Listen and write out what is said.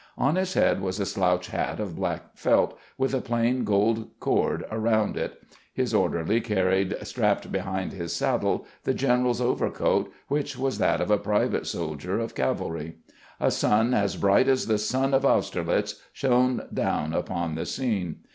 On his head was a slouch hat of black felt with a plain gold cord around it. His orderly carried strapped behind 42 CAMPAIGNING WITH GBANT Ms saddle the general's overcoat, whicli was that of a private soldier of cavalry. A sun as bright as the " sun of Austerlitz" shone down upon the scene.